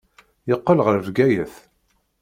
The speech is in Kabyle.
Yeqqel ɣer Bgayet.